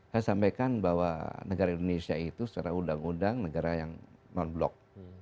saya sampaikan bahwa negara indonesia itu secara undang undang negara yang non blok